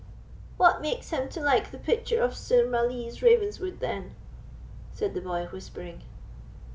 "What makes him to like the picture of Sir Malise Ravenswood then?" said the boy, whispering.